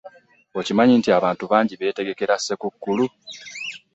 Okimanyi nti abantu bangi abetegekera ssekukulu.